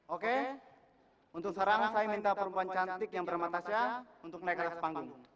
oke untuk sarangan saya minta perempuan cantik yang bermatasa untuk naik ke atas panggung